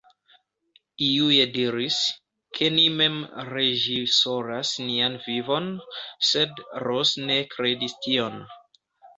Iuj diris, ke ni mem reĝisoras nian vivon, sed Ros ne kredis tion.